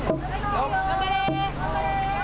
頑張れ。